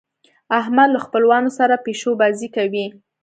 احمد له خپلوانو سره پيشو بازۍ کوي.